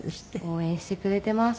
応援してくれています